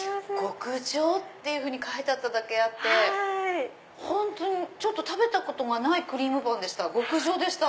極上っていうふうに書いてあっただけあって本当に食べたことがないクリームパンでした極上でした。